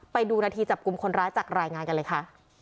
ไปดูนาทีจับกลุ่มคนร้ายจากรายงานกันเลยค่ะ